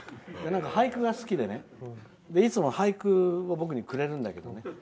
俳句が好きで、いつも俳句を僕にくれるんだけどね。